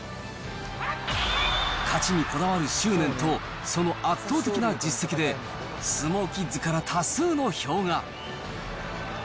勝ちにこだわる執念と、その圧倒的な実績で、相撲キッズから多数の票が。